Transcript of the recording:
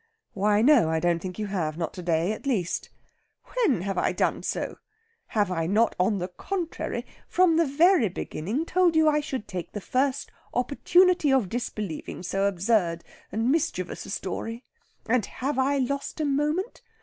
"Why no. I don't think you have. Not to day, at least." "When have I done so? Have I not, on the contrary, from the very beginning told you I should take the first opportunity of disbelieving so absurd and mischievous a story? And have I lost a moment?